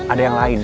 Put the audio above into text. ada yang lain